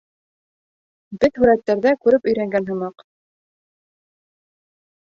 Беҙ һүрәттәрҙә күреп өйрәнгән һымаҡ.